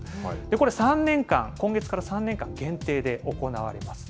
これ、３年間、今月から３年間限定で行われます。